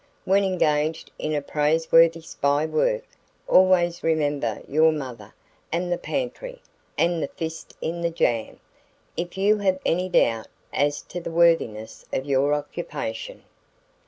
"When engaged in a praiseworthy spy work, always remember your mother and the pantry and the fist in the jam, if you have any doubt as to the worthiness of your occupation."